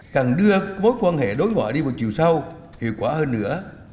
càng đưa mối quan hệ đối ngoại đi một chiều sau hiệu quả hơn nữa